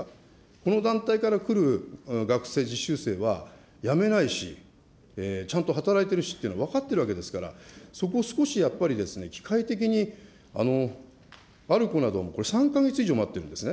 この団体から来る学生、実習生はやめないし、ちゃんと働いてるしっていうのも分かってるわけですから、そこ、少しやっぱりきかいてきにある子なんかは３か月以上待ってるんですね。